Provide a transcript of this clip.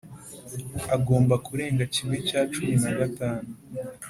agomba kurenga kimwe cya cumi na gatanu